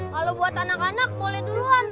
kalau buat anak anak boleh duluan